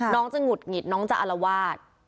น้องจะหงุดหงิดน้องจะอารวาส